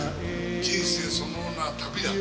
人生そのものが旅だ。